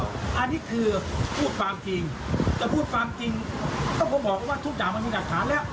อันนี้คือพูดความจริงแต่พูดความจริงก็คงบอกว่าทุกอย่างมันมีหลักฐานแล้ว